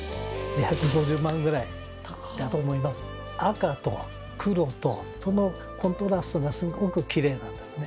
赤と黒とそのコントラストがすごくキレイなんですね。